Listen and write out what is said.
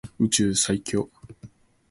宇宙最強